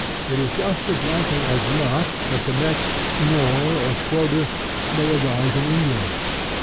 It is just as likely as not that the next Schnorr or Schroder may arise in England.